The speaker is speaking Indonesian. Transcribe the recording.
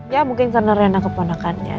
ya mungkin karena keponakannya